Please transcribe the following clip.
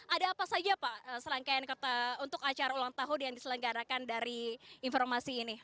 ada apa saja pak serangkaian untuk acara ulang tahun yang diselenggarakan dari informasi ini